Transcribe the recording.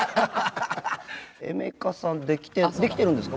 エメカさんできてるんですか？